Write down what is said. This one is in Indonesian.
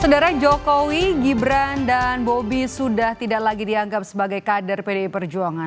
sebenarnya jokowi gibran dan bobi sudah tidak lagi dianggap sebagai kader pdi perjuangan